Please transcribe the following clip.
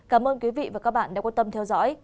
cảm ơn quý vị và các bạn đã quan tâm theo dõi